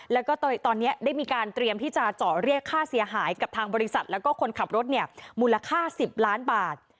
แล้วก็ตอนนี้ได้มีการเตรียมที่จะเจาะเรียกค่าเสียหายกับทางบริษัทแล้วก็คนขับรถเนี่ยมูลค่า๑๐ล้านบาท